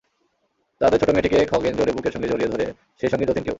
তাদের ছোট মেয়েটিকে খগেন জোরে বুকের সঙ্গে জড়িয়ে ধরে সেই সঙ্গে যতিনকেও।